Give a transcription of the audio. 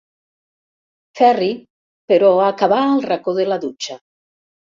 Ferri, però acabà al racó de la dutxa.